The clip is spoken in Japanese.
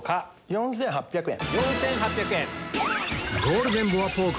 ４８００円。